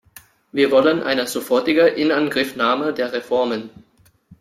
Wir wollen eine sofortige Inangriffnahme der Reformen.